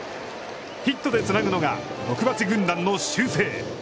ヒットでつなぐのが、毒蜂軍団の習性。